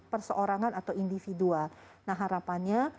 perseorangan atau individual nah harapannya